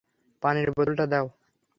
পানির বোতলটা দাও।